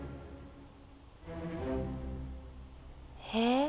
え？